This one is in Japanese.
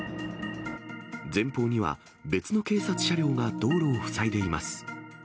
前方には別の警察車両が道路を塞いでいます。